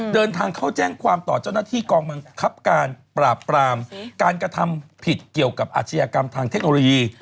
เดินทางเข้าแจ้งความต่อเจ้าหน้าที่กองบังคับการปราบปรามการกระทำผิดเกี่ยวกับอาชญากรรมทางเทคโนโลยี